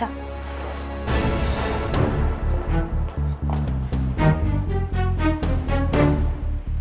tante aku mau pergi